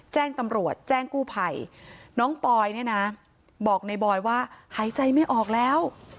แจ้งตำรวจแจ้งกู้ภัยน้องปอยเนี่ยนะบอกในบอยว่าหายใจไม่ออกแล้ว